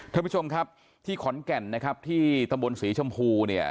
ทุกผู้ชมครับที่ขอนแก่นที่ตำบลสีชมพู